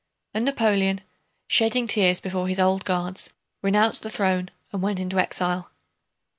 And Napoleon, shedding tears before his Old Guards, renounced the throne and went into exile.